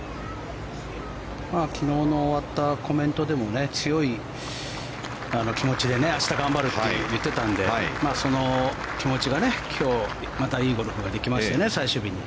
昨日の終わったコメントでも強い気持ちで明日頑張ると言ってたのでその気持ちが今日はまたいいゴルフができましたね最終日に。